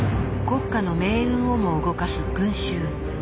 国家の命運をも動かす群衆。